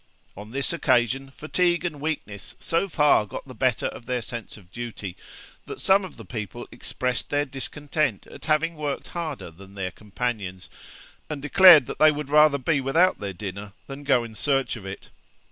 On this occasion, fatigue and weakness so far got the better of their sense of duty, that some of the people expressed their discontent at having worked harder than their companions, and declared that they would rather be without their dinner than go in search of it.